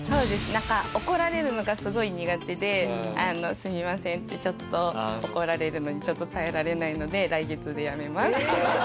なんか怒られるのがすごい苦手で「すみません」って「怒られるのにちょっと耐えられないので来月で辞めます」って言って。